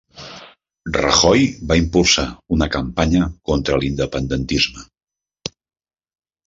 Rajoy va impulsar una campanya contra l'independentisme